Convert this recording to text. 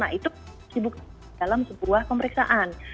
nah itu dibuka dalam sebuah pemeriksaan